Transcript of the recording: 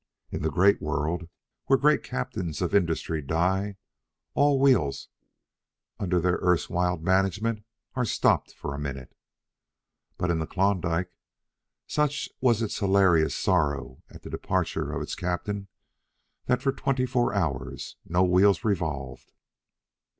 In the great world, where great captains of industry die, all wheels under their erstwhile management are stopped for a minute. But in the Klondike, such was its hilarious sorrow at the departure of its captain, that for twenty four hours no wheels revolved.